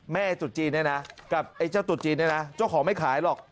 ไอ้จุดจีนเนี่ยนะกับไอ้เจ้าตุ๊จีนเนี่ยนะเจ้าของไม่ขายหรอก